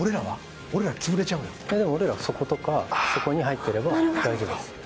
でも俺ら、そことかそこに入ってれば大丈夫です。